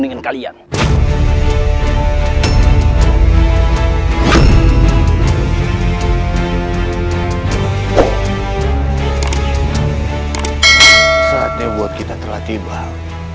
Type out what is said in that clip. iya benar hancurkan bajajaran